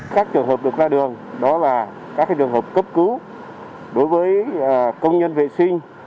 các trường hợp được ra đường đó là các trường hợp cấp cứu đối với công nhân vệ sinh